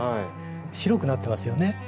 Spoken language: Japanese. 白くなってますよね。